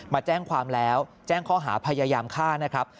มาแจ้งความแล้วแจ้งข้อหาพยายามฆ่านะครับ